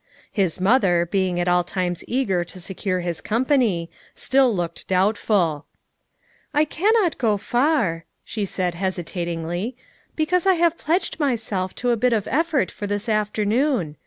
His mother, being at all times eager to secure his company, still looked doubtful. "I cannot go far/ 5 she said hesitatingly, "be cause I have pledged myself to a bit of effort for this afternoon.